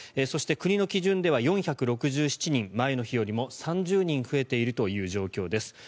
そして、国の基準では４６７人前の日より３０人増えている状況です。